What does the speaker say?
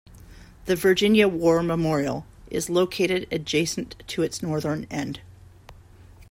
The Virginia War Memorial is located adjacent to its northern end.